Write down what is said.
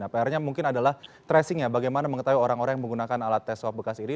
prnya mungkin adalah tracingnya bagaimana mengetahui orang orang yang menggunakan alat tes swab bekas ini